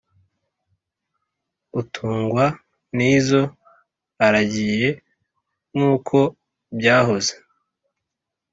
Utungwa n’izo aragiye nk’uko byahoze